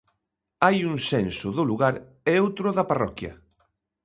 Hai un senso do lugar, e outro da parroquia.